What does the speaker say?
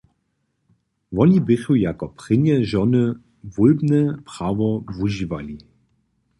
Woni běchu jako prěnje žony wólbne prawo wužiwali.